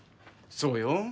そうよ。